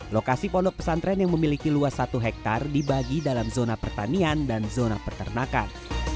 lokasi pondok pesantren yang memiliki luas satu hektare dibagi dalam zona pertanian dan zona peternakan